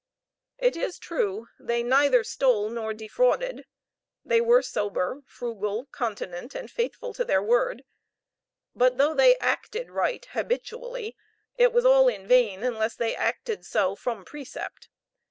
It is true, they neither stole nor defrauded; they were sober, frugal, continent, and faithful to their word; but though they acted right habitually, it was all in vain, unless they acted so from precept.